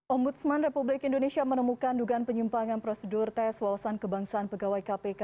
ombudsman republik indonesia menemukan dugaan penyimpangan prosedur tes wawasan kebangsaan pegawai kpk